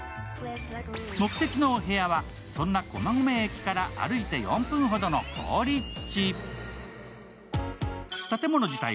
目的のお部屋は、そんな駒込駅から歩いて４分ほどの好立地。